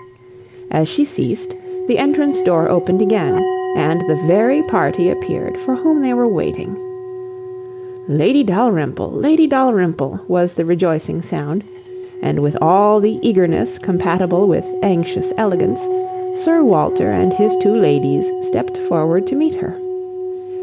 As she ceased, the entrance door opened again, and the very party appeared for whom they were waiting. "Lady Dalrymple, Lady Dalrymple," was the rejoicing sound; and with all the eagerness compatible with anxious elegance, Sir Walter and his two ladies stepped forward to meet her.